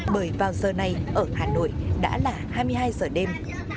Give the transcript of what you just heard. bởi vào giờ này ở hà nội đã là hai mươi hai giờ đêm